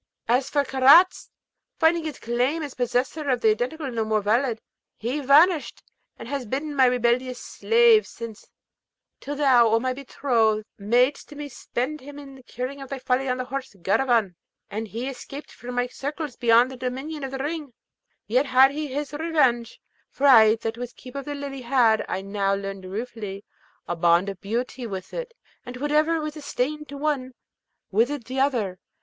As for Karaz, finding his claim as possessor of the Identical no more valid, he vanished, and has been my rebellious slave since, till thou, O my betrothed, mad'st me spend him in curing thy folly on the horse Garraveen, and he escaped from my circles beyond the dominion of the Ring; yet had he his revenge, for I that was keeper of the Lily, had, I now learned ruefully, a bond of beauty with it, and whatever was a stain to one withered the other.